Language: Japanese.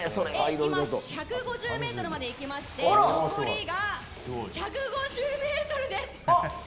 今、１５０ｍまで行きまして残りが１５０ｍです。